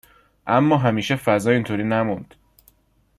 اما همیشه فضا اینطوری نموند.